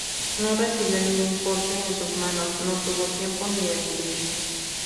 No recibió ningún corte en sus manos, no tuvo tiempo ni de cubrirse.